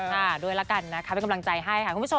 น้องพีทด้วยแล้วกันนะคะเป็นกำลังใจให้คุณผู้ชม